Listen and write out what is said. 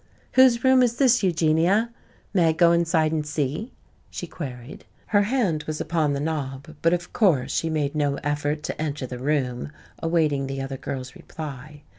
"Whose room is this, Eugenia? May I go inside and see?" she queried. Her hand was upon the knob, but, of course, she made no effort to enter the room, awaiting the other girl's reply.